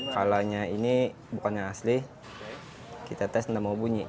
kalau ini bukannya asli kita tes dan mau bunyi